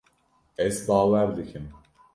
Ez bawer dikim.